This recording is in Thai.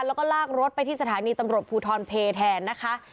แล้วก็ลากรถไปที่สถานีตำรวจภูทรเพแทนนะคะ